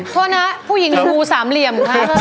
โทษนะผู้หญิงชูสามเหลี่ยมค่ะ